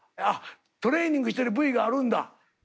トレーニングしてるＶがあるんだ。